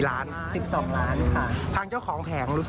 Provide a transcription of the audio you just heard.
แล้วขายมานานยังไงครับ